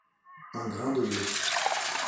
Un grain de blé